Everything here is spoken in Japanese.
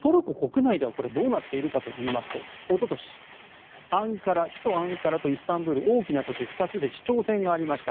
では一方、トルコ国内ではどうなっているかといいますとおととし、首都アンカラとイスタンブール大きな都市２つで市長選がありました。